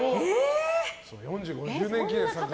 ４５周年記念で。